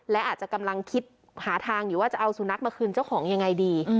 และอาจจะกำลังคิดหาทางอยู่ว่าจะเอาสุนัขมาคืนเจ้าของยังไงดี